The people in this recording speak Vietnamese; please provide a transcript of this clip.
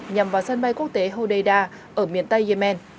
nhằm vào sân bay quốc tế hodeida ở miền tây yemen